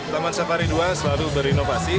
taman safari dua selalu berinovasi